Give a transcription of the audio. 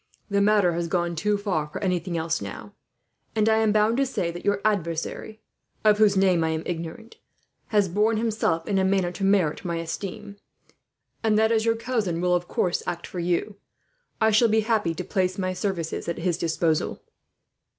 "The matter has gone too far for anything else, now; and I am bound to say that your adversary, of whose name I am ignorant, has borne himself in a manner to merit my esteem; and that, as your cousin will of course act for you, I shall be happy to place my services at his disposal."